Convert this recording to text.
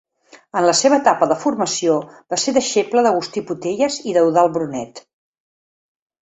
En la seva etapa de formació va ser deixeble d'Agustí Potelles i d'Eudald Brunet.